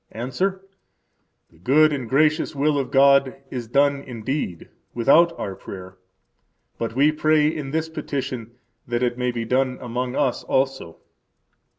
–Answer: The good and gracious will of God is done indeed without our prayer; but we pray in this petition that it may be done among us also.